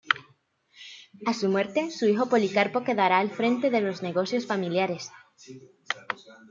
A su muerte, su hijo Policarpo quedará al frente de los negocios familiares.